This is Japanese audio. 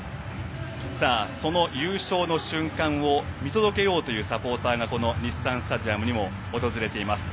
その優勝の瞬間を見届けようというサポーターがこの日産スタジアムにも訪れています。